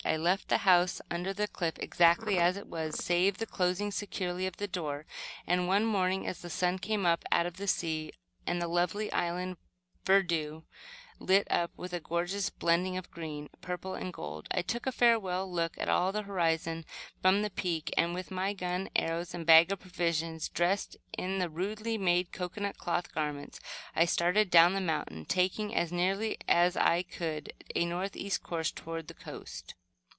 I left the house under the cliff exactly as it was, save the closing, securely, of the door; and one morning as the sun came up out of the sea, and the lovely island verdure lit up with a gorgeous blending of green, purple and gold, I took a farewell look all around the horizon from the peak, and, with my gun, arrows and bag of provisions, dressed in the rudely made cocoanut cloth garments, I started down the mountain, taking, as nearly as I could, a northeast course toward the coast.